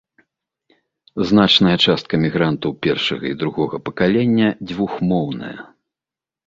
Значная частка мігрантаў першага і другога пакалення двухмоўная.